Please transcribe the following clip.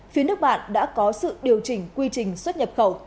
phía nước bạn đã có sự điều chỉnh quy trình xuất nhập khẩu